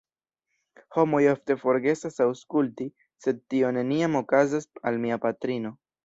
Homoj ofte forgesas aŭskulti sed tio neniam okazas al mia patrino.